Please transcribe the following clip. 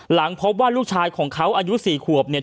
หลังพบว่าลูกชายของเขาอายุ๔ขวบเนี่ย